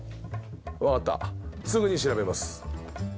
分かったすぐに調べます。